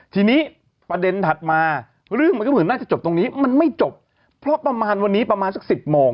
ทีนี้ประเด็นถัดมาเรื่องมันก็เหมือนน่าจะจบตรงนี้มันไม่จบเพราะประมาณวันนี้ประมาณสักสิบโมง